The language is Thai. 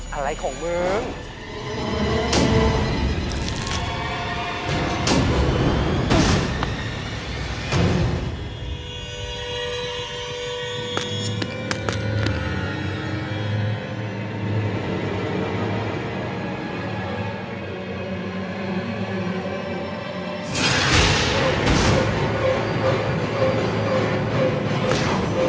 อะไรของมึง